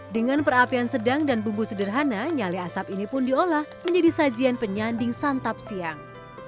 dengan perapian sedang dan bumbu sederhana nyale asap ini pun diolah menjadi sajian penyanding santap siang